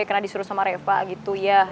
karena disuruh sama reva gitu ya